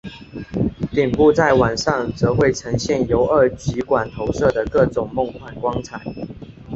顶部在晚上则会呈现由二极管投射的各种梦幻光彩。